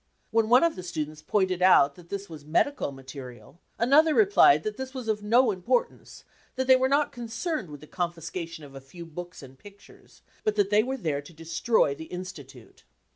When one of the students pointed out that this was medical material, another replied that this was of no importance, that they were not concerned with the confiscation of a few books and pictures, but that they were there to destroy the Institute.